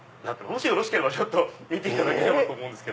もしよろしければ見ていただければと思うんです。